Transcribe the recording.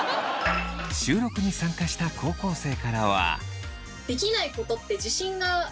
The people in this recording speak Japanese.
収録に参加した高校生からは。